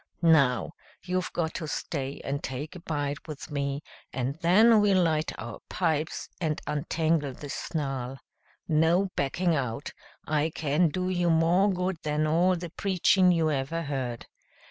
Now, you've got to stay and take a bite with me, and then we'll light our pipes and untangle this snarl. No backing out! I can do you more good than all the preachin' you ever heard.